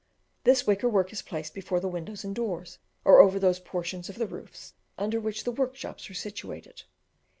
This wicker work is placed before the windows and doors, or over those portions of the roofs under which the workshops are situated.